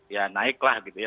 ya naiklah gitu ya